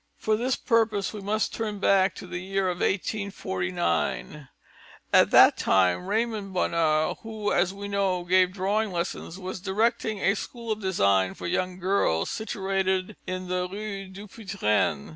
For this purpose we must turn back to the year 1849. At that time Raymond Bonheur who, as we know, gave drawing lessons, was directing a school of design for young girls, situated in the Rue Dupuytren.